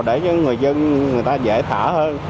để cho người dân người ta dễ thở hơn